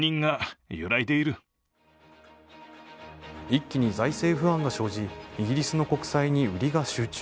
一気に財政不安が生じ、イギリスの国債に売りが集中。